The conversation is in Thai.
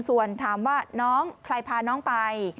ส่วนถามว่าน้องใครพาน้องไป